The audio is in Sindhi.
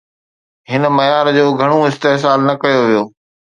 هن معيار جو گهڻو استحصال نه ڪيو ويو